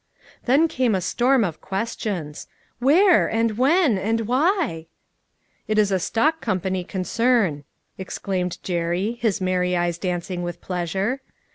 Then came a storm of questions. " Where ? and When ? and Why ?"" It is a stock company concern," exclaimed Jerry, his merry eyes dancing with pleasure.